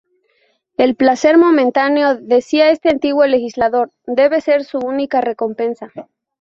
El placer momentáneo, decía este antiguo legislador, debe ser su única recompensa.